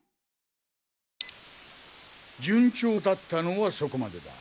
現在順調だったのはそこまでだ。